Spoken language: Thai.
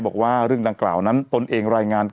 บอกว่าเรื่องดังกล่าวนั้นตนเองรายงาน